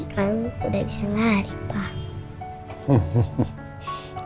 kamu udah bisa lari pak